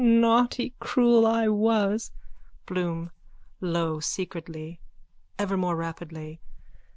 _ Naughty cruel I was! BLOOM: _(Low, secretly, ever more rapidly.)